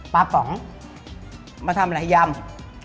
ปลาป๋องมาทำไหนย่ำ